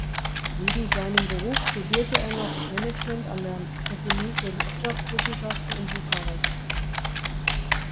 Neben seinem Beruf studierte er noch Management an der Akademie für Wirtschaftswissenschaften in Bukarest.